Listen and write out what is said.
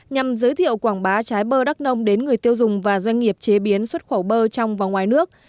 nhằm giới thiệu quảng bá trái bơ đắk nông đến người tiêu dùng và doanh nghiệp chế biến xuất khẩu bơ trong và ngoài nước